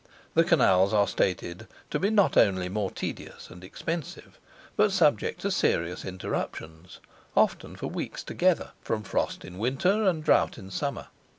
The Canals are stated to be not only more tedious and expensive, but subject to serious interruptions, often for weeks together, from frost in winter and drought in summer.